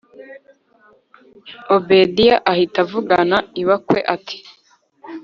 obedia ahita avugana ibakwe ati